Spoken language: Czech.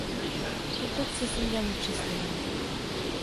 Otec se sem za ní přistěhoval.